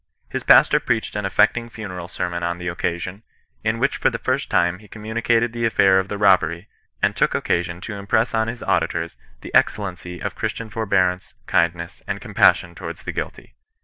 His pastor preached an affecting funeral sermon on the occasion, in which for the first time he communicated the afiair of the robbery, and took occasion to impress on his auditors the excellency of Christian forbearance, kindness, and compassion towards the guilty.